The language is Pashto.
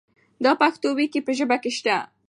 دا پښتو وييکي په ژبه کې سته.